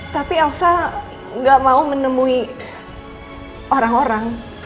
tapi elsa gak mau menemui orang orang